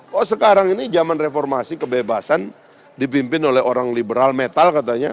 kok sekarang ini zaman reformasi kebebasan dipimpin oleh orang liberal metal katanya